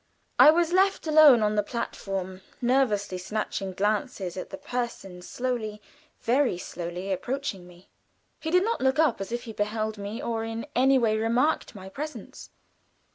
I was left alone on the platform, nervously snatching short glances at the person slowly, very slowly approaching me. He did not look up as if he beheld me or in any way remarked my presence.